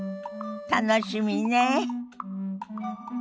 楽しみねえ。